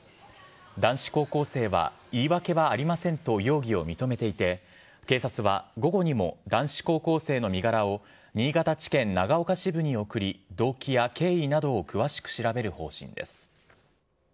男子高校生は、言い訳はありませんと容疑を認めていて、警察は午後にも男子高校生の身柄を、新潟地検長岡支部に送り、動機や経緯などを詳しく調べる方針です。